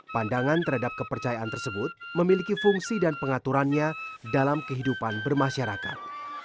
pandangan terhadap kepercayaan tersebut memiliki fungsi dan pengaturannya dalam kehidupan bermasyarakat